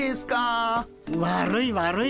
悪い悪い。